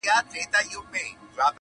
زما د افسانو د قهرمان حماسه ولیکه،